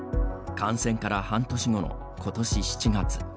感染から半年後のことし７月。